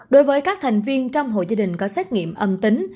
đối với các thành viên trong hội gia đình có xét nghiệm âm tính